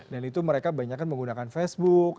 dan itu mereka banyak kan menggunakan facebook